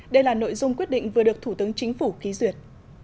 đây là nội dung quyết định vừa được thủ tướng chính phủ ký duyệt